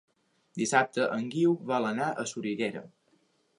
Dissabte en Guiu vol anar a Soriguera.